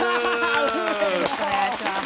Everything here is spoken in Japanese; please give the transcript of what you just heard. よろしくお願いします。